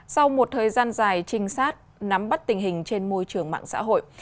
sau một thời gian dài trinh sát nắm bắt tình hình trên môi trường mạng xã hội